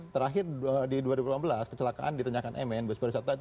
terakhir di dua ribu delapan belas kecelakaan di tanyakan mn berseparisata itu dua ribu tujuh belas